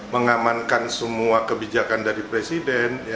mengamankan semua kebijakan dari presiden